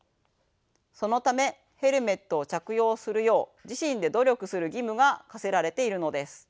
そのためヘルメットを着用するよう自身で努力する義務が課せられているのです。